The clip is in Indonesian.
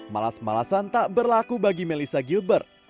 malas malasan tak berlaku bagi melissa gilbert